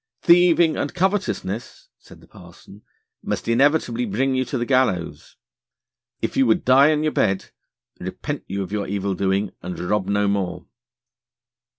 'Thieving and covetousness,' said the parson, 'must inevitably bring you to the gallows. If you would die in your bed, repent you of your evildoing, and rob no more.'